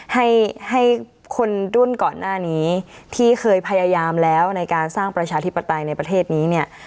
ให้ให้คนรุ่นก่อนหน้านี้ที่เคยพยายามแล้วในการสร้างประชาธิปไตยในประเทศนี้เนี่ย